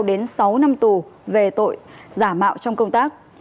đến sáu năm tù về tội giả mạo trong công tác